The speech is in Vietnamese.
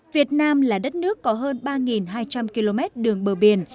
việt nam là đất nước có hơn ba hai trăm linh km đường bờ biển